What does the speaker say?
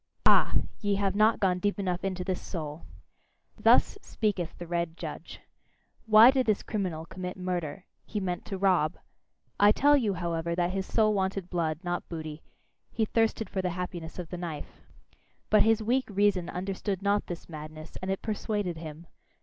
Ah! ye have not gone deep enough into this soul! Thus speaketh the red judge: "Why did this criminal commit murder? He meant to rob." I tell you, however, that his soul wanted blood, not booty: he thirsted for the happiness of the knife! But his weak reason understood not this madness, and it persuaded him.